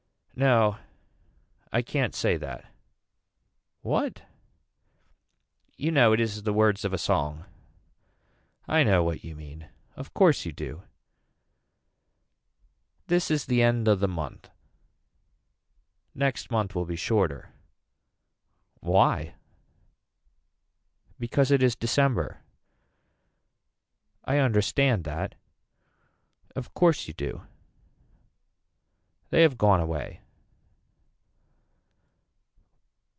No I can't say that. What. You know it is the words of a song. I know what you mean. Of course you do. This is the end of this month. Next month will be shorter. Why. Because it is December. I understand that. Of course you do. They have gone away.